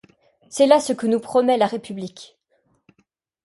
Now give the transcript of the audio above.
C'est là ce que nous promet la République !